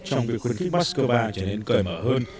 trong việc khuyến khích moscow trở nên cởi mở hơn